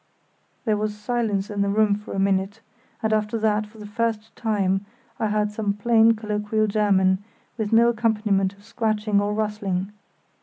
There was silence in the room for a minute, and after that, for the first time, I heard some plain colloquial German, with no accompaniment of scratching or rustling.